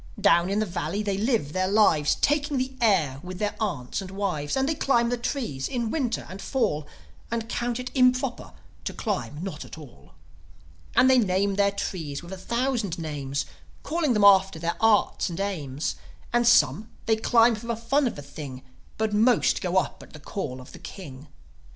Down in the valley they live their lives, Taking the air with their aunts and wives. And they climb the trees in the Winter and Fall, And count it improper to climb not at all. And they name their trees with a thousand names, Calling them after their Arts and Aims; And some, they climb for the fun of the thing, But most go up at the call of the King.